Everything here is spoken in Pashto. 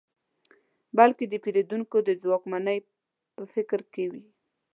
بلکې د پېرودونکو د ځواکمنۍ په فکر کې وي.